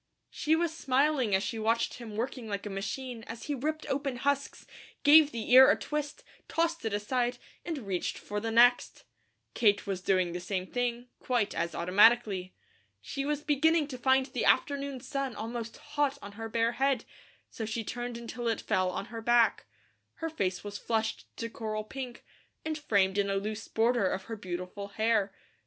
She was smiling as she watched him working like a machine as he ripped open husks, gave the ear a twist, tossed it aside, and reached for the next. Kate was doing the same thing, quite as automatically. She was beginning to find the afternoon sun almost hot on her bare head, so she turned until it fell on her back. Her face was flushed to coral pink, and framed in a loose border of her beautiful hair.